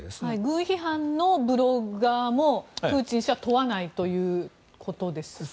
軍批判のブロガーもプーチン氏は問わないということですかね？